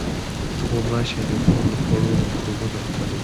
غوماشې د کور له خوړو مکروبونه خپروي.